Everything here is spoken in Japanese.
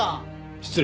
失礼。